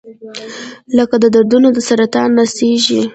لکه دردونه د سرطان نڅیږي